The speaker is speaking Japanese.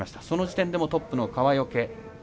その時点でもトップの川除。